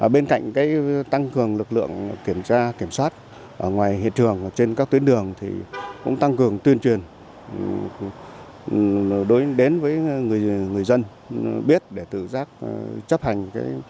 bên cạnh tăng cường lực lượng kiểm tra kiểm soát ở ngoài hiện trường trên các tuyến đường thì cũng tăng cường tuyên truyền đến với người dân biết để tự giác chấp hành